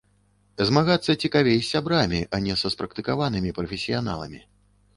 Змагацца цікавей з сябрамі, а не са спрактыкаванымі прафесіяналамі.